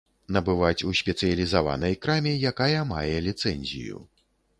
Набываць у спецыялізаванай краме, якая мае ліцэнзію.